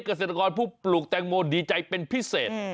เกษตรกรผู้ปลูกแตงโมดีใจเป็นพิเศษ